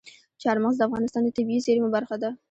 چار مغز د افغانستان د طبیعي زیرمو برخه ده.